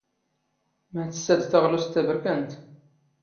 ⵎⴰ ⵜⵙⵙⴰⴷ ⵜⴰⵖⵍⵓⵙⵜ ⵜⴰⴱⵔⴽⴰⵏⵜ?